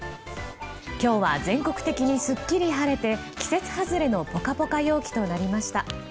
今日は全国的にすっきり晴れて季節外れのポカポカ陽気となりました。